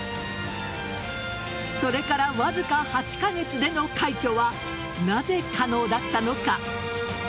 それからわずか８カ月での快挙はなぜ可能だったのか。